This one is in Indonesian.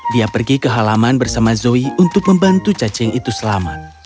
dia pergi ke halaman bersama zoe untuk membantu cacing itu selamat